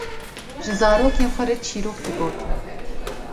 ji zarokên xwe re çîrok digotin.